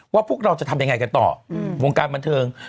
พวกเราจะทำยังไงกันต่อวงการบันเทิง